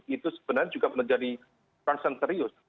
itu sebenarnya juga menjadi transenterius